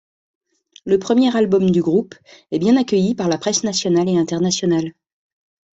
Le premier album du groupe est bien accueilli par la presse nationale et internationale.